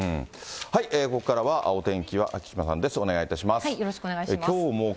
ここからはお天気は木島さんです、よろしくお願いします。